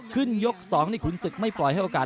ขึ้นยกสองของขุนสึกไม่ปล่อยให้โอกาสหลุดลอย